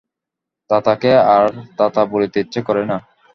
তাতাকে আর তাতা বলিতে ইচ্ছা করে না।